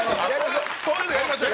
そういうのやりましょう！